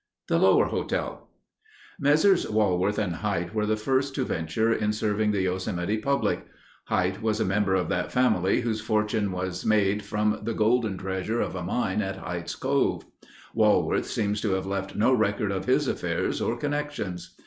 The Lower Hotel Messrs. Walworth and Hite were the first to venture in serving the Yosemite public. Hite was a member of that family whose fortune was made from the golden treasure of a mine at Hite's Cove. Walworth seems to have left no record of his affairs or connections.